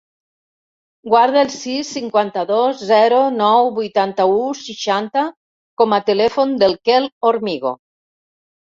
Guarda el sis, cinquanta-dos, zero, nou, vuitanta-u, seixanta com a telèfon del Quel Hormigo.